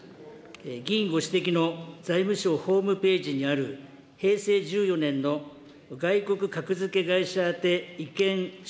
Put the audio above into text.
議員ご指摘の、財務省ホームページにある平成１４年の外国格付け会社あて意見書